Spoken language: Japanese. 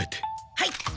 はい。